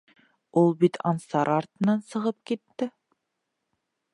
Ул бит Ансар артынан сығып китте.